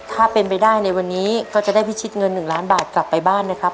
ถ้าเป็นไปได้ในวันนี้ก็จะได้พิชิตเงิน๑ล้านบาทกลับไปบ้านนะครับ